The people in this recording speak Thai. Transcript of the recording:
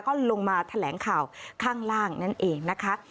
ก็ลงมาแถลงข่าวข้างล่างนั่นเองนะคะ